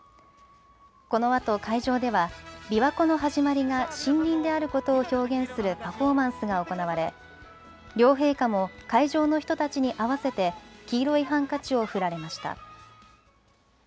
このあと会場ではびわ湖の始まりが森林であることを表現するパフォーマンスが行われ両陛下も会場の人たちに合わせて黄色いハンカチを振られました。